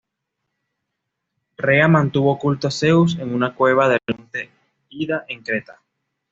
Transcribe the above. Rea mantuvo oculto a Zeus en una cueva del monte Ida en Creta.